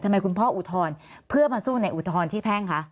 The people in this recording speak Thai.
คุณพ่ออุทธรณ์เพื่อมาสู้ในอุทธรณ์ที่แพ่งคะ